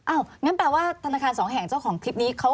อ้าวงั้นแปลว่าธนาคาร๒แห่งเจ้าของคลิปนี้